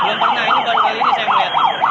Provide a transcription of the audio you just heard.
belum pernah ini baru kali ini saya melihat